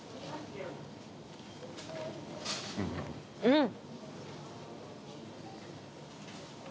うん！